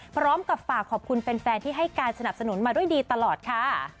พร้อมกับฝากขอบคุณแฟนที่ให้การสนับสนุนมาด้วยดีตลอดค่ะ